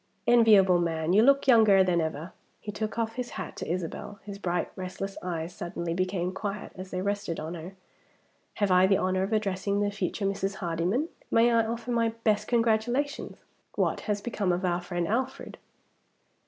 "Enviable man! you look younger than ever." He took off his hat to Isabel; his bright restless eyes suddenly became quiet as they rested on her. "Have I the honor of addressing the future Mrs. Hardyman? May I offer my best congratulations? What has become of our friend Alfred?"